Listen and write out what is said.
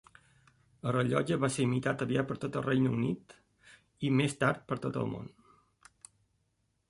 El rellotge va ser imitat aviat per tot el Regne Unit i més tard per tot el món.